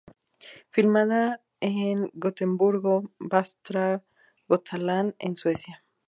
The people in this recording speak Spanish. Filmada en Gotemburgo, Västra Götaland, en Suecia.